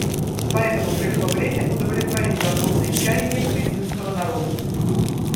Поэтому пришло время удовлетворить законные чаяния палестинского народа.